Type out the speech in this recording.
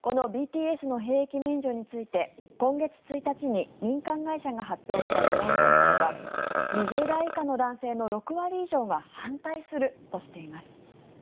このＢＴＳの兵役免除について今月１日に民間会社が発表した世論調査では２０代以下の男性の６割以上が反対するとしています。